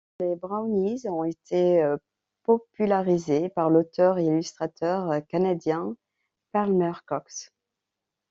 Les brownies ont été popularisés par l'auteur et illustrateur canadien Palmer Cox.